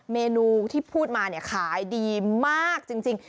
เมนูที่พูดมาขายดีมากจริง